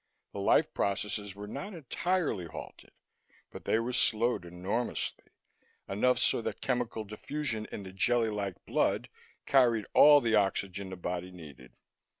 The life processes were not entirely halted, but they were slowed enormously enough so that chemical diffusion in the jellylike blood carried all the oxygen the body needed.